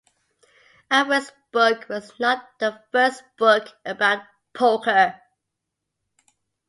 Alvarez's book was not the first book about poker.